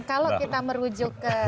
kalau kita merujuk ke